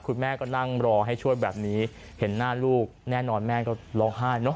คุณแม่ก็นั่งรอให้ช่วยแบบนี้เห็นหน้าลูกแน่นอนแม่ก็ร้องไห้เนอะ